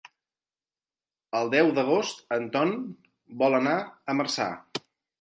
El deu d'agost en Ton vol anar a Marçà.